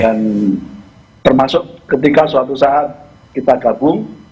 dan termasuk ketika suatu saat kita gabung